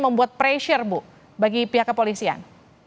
membuat pressure bu bagi pihak kepolisian